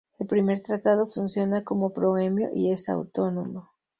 El primer tratado funciona como proemio y es autónomo.